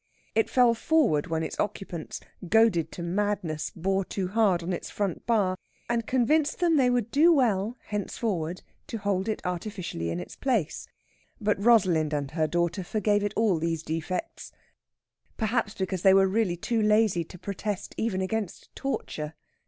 It fell forward when its occupants, goaded to madness, bore too hard on its front bar, and convinced them they would do well, henceforward, to hold it artificially in its place. But Rosalind and her daughter forgave it all these defects perhaps because they were really too lazy to protest even against torture.